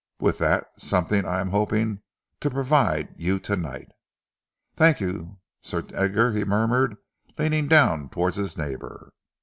With that something I am hoping to provide you to night. Thank you, Sir Edgar," he murmured, leaning down towards his neighbour.